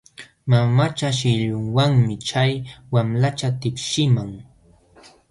Mamacha shillunwanmi chay wamlacha tipshiqman.